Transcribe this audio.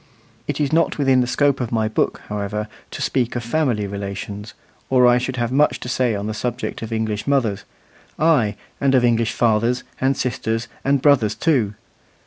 It is not within the scope of my book, however, to speak of family relations, or I should have much to say on the subject of English mothers ay, and of English fathers, and sisters, and brothers too.